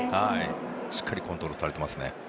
しっかりコントロールされてますね。